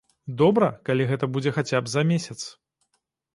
Добра, калі гэта будзе хаця б за месяц.